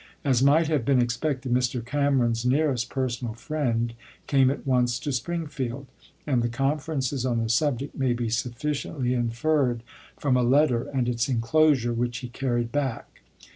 As might have been expected, Mr. Cameron's nearest personal friend came at once to Spring field; and the conferences on the subject may be sufficiently inferred from a letter and its inclosure which he carried back.